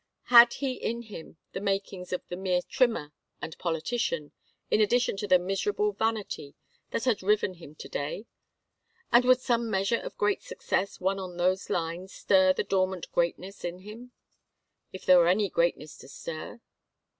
Had he in him the makings of the mere trimmer and politician, in addition to the miserable vanity that had riven him to day? And would some measure of great success won on those lines stir the dormant greatness in him? if there were any greatness to stir.